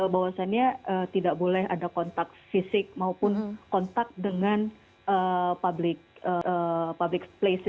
bahwasannya tidak boleh ada kontak fisik maupun kontak dengan public splace